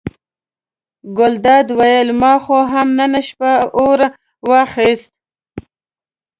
ګلداد وویل ما خو هم نن شپه اور واخیست.